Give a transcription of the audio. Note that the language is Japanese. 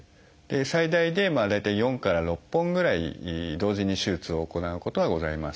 最大で大体４から６本ぐらい同時に手術を行うことはございます。